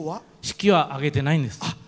式は挙げてないんです。